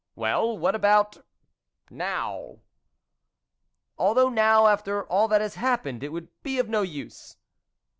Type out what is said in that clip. " Well, what about ... now ?"" Although now, after all that has hap pened, it would be of no use."